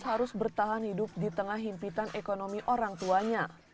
harus bertahan hidup di tengah himpitan ekonomi orang tuanya